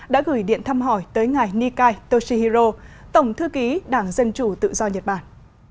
đã gửi điện thăm hỏi tới ngài nikai toshihiro tổng thư ký đảng dân chủ tự do nhật bản